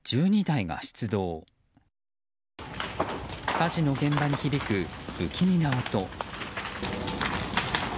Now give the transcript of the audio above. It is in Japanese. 火事の現場に響く、不気味な音。